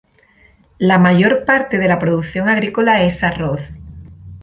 La mayor parte de la producción agrícola es arroz.